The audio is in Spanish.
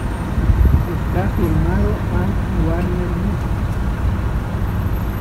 Está firmado a Warner Music.